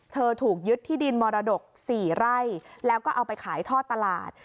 ถูกยึดที่ดินมรดก๔ไร่แล้วก็เอาไปขายทอดตลาด